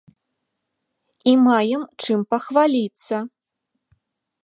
І маем чым пахваліцца.